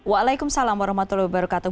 waalaikumsalam warahmatullahi wabarakatuh